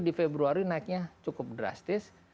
di februari naiknya cukup drastis